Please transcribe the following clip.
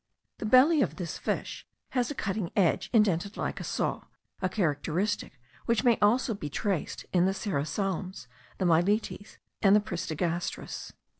The belly of this fish has a cutting edge, indented like a saw, a characteristic which may be also traced in the serra salmes, the myletes, and the pristigastres.